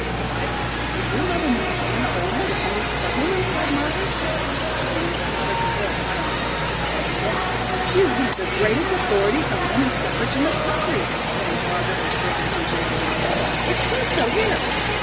"What, is your mother Mrs. Anna Oldham, the famous clubwoman?" cried Margaret. Nance nodded her head silently. "Why, she is one of the greatest authorities on women's suffrage in the country!" exclaimed Margaret with great enthusiasm. "It says so here.